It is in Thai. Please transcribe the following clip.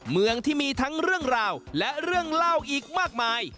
เมืองที่มีทั้งเรื่องราวและเรื่องเล่าอีกมากมาย